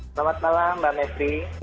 selamat malam mbak metri